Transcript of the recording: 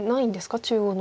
中央の方。